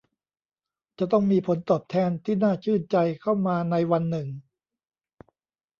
จะต้องมีผลตอบแทนที่น่าชื่นใจเข้ามาในวันหนึ่ง